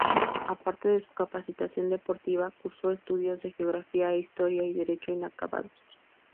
Aparte de su capacitación deportiva, cursó estudios de Geografía e Historia y Derecho -inacabados-.